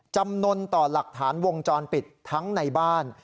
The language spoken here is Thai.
จำนวนต่อหลักฐานวงจรปิดทั้งในบ้าน